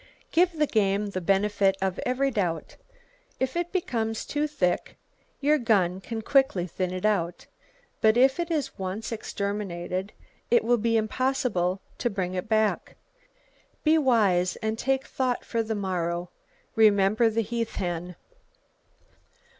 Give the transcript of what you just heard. Give the game the benefit of every doubt! If it becomes too thick, your gun can quickly thin it out; but if it is once exterminated, it will be impossible to bring it back. Be wise; and take thought for the morrow. Remember the heath hen.